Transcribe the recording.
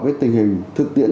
với tình hình thực tiễn